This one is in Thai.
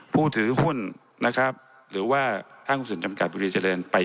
ผู้ถือหุ้นหรือห้างคุณสรรจำกัดบุรีเจริญ